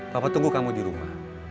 papa tunggu kamu di rumah